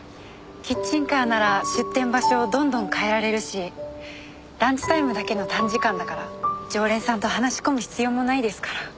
キッチンカーなら出店場所をどんどん変えられるしランチタイムだけの短時間だから常連さんと話し込む必要もないですから。